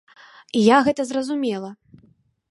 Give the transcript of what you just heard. І я гэта зразумела.